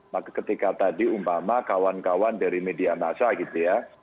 maka ketika tadi umpama kawan kawan dari media massa gitu ya